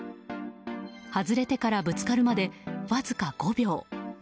外れてからぶつかるまでわずか５秒。